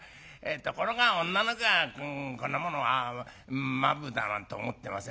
ところが女の子はこんものは間夫だなんて思ってませんでね